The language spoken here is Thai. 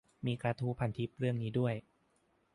มีกระทู้พันทิปเรื่องนี้ด้วย